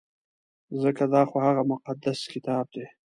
ځکه دا خو هغه مقدس کتاب دی.